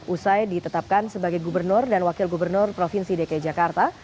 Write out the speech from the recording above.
usai ditetapkan sebagai gubernur dan wakil gubernur provinsi dki jakarta